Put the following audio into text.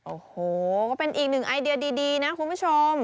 โอ้โหก็เป็นอีกหนึ่งไอเดียดีนะคุณผู้ชม